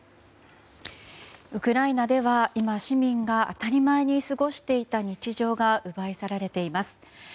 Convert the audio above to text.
ウクライナでは今、市民が当たり前に過ごしていた日常が奪い去られています。